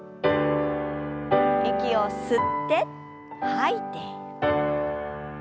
息を吸って吐いて。